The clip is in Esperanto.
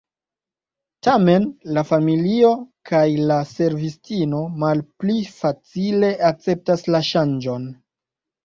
Tamen, la familio kaj la servistinoj malpli facile akceptas la ŝanĝon.